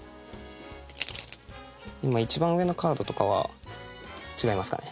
今一番上のカードとかは違いますかね？